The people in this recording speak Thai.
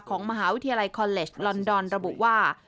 ของมหาวิทยาลัยคอนเลสลอนดอนระบุว่า